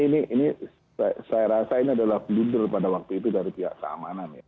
nah ini saya rasa ini adalah belinder pada waktu itu dari pihak seamanan ya